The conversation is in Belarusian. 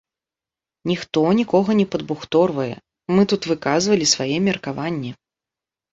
Ніхто нікога не падбухторвае, мы тут выказвалі свае меркаванні.